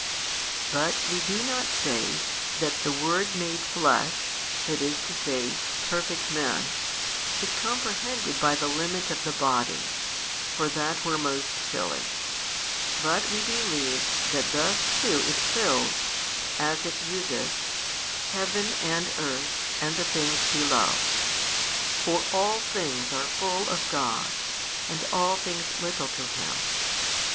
But we do not say that the Word made Flesh, i. e., Perfect man, is comprehended by the limit of the body (for that were most silly), but we believe that thus too It fills (as It useth) Heaven and earth and the things below: for all things are full of God, and all things little to Him.